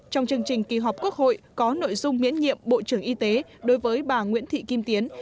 trong chương trình kỳ họp quốc hội có nội dung miễn nhiệm bộ trưởng y tế đối với bà nguyễn thị kim tiến